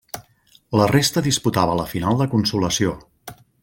La resta disputava la final de consolació.